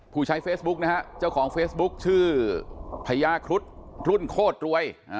ผู้ใช้เฟซบุ๊กนะฮะเจ้าของเฟซบุ๊คชื่อพญาครุฑรุ่นโคตรรวย